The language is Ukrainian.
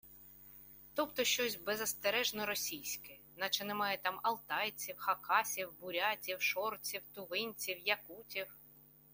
Тобто щось беззастережно російське, начебто немає там алтайців, хакасів, бурятів, шорців, тувинців, якутів…